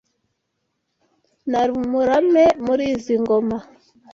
Nari umurame muri izi ngoma